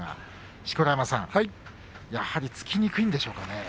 錣山さん、やはり突きにくいんでしょうかね。